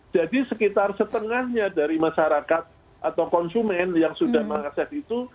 jadi sekitar setengahnya dari masyarakat atau konsumen yang sudah mengakses itu